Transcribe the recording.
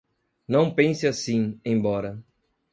Não pense assim, embora!